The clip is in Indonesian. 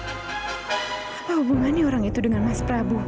apa hubungannya orang itu dengan mas prabu